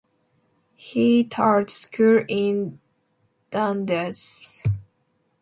He taught school in Dundas.